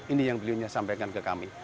ini yang beliau sampaikan ke kami